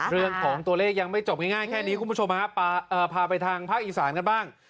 เรื่องของตัวเลขยังไม่จบง่ายแค่นี้คุณผู้ชมฮะพาไปทางภาคอีสานกันบ้าง